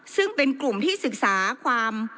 ซึ่งเป็นกลุ่มที่ศึกษาความ